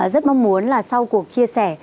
rất mong muốn là sau cuộc chia sẻ